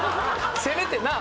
せめてな。